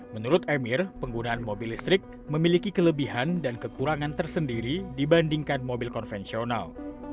menurut emir penggunaan mobil listrik memiliki kelebihan dan kekurangan tersendiri dibandingkan mobil konvensional